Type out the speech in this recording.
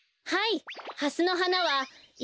はい。